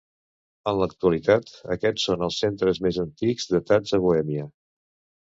En l'actualitat aquests són els centres més antics datats a Bohèmia.